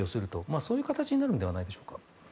そういう形になるんじゃないでしょうか。